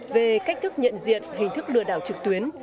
về cách thức nhận diện hình thức lừa đảo trực tuyến